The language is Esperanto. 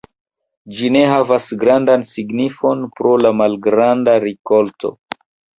Ĝi ne havas grandan signifon pro la malgranda rikolto.